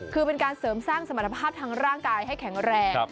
คือเป็นการเสริมสร้างสมรรถภาพทางร่างกายให้แข็งแรง